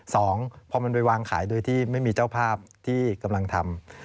สองพอมันไปวางขายโดยที่ไม่มีเจ้าภาพที่กำลังทำ